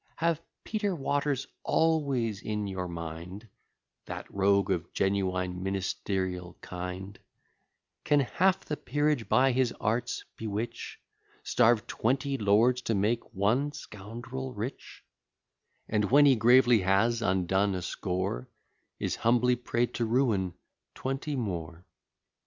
Have Peter Waters always in your mind; That rogue, of genuine ministerial kind, Can half the peerage by his arts bewitch, Starve twenty lords to make one scoundrel rich: And, when he gravely has undone a score, Is humbly pray'd to ruin twenty more.